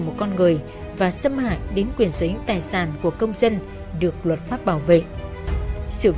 tôi muốn tiêu thú